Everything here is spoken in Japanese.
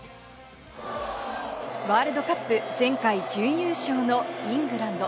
ワールドカップ、前回、準優勝のイングランド。